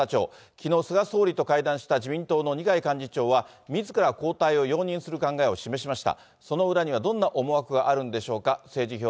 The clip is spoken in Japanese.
きのう、菅総理と会談した自民党の二階幹事長は、みずから交代を容認する考えを示しました。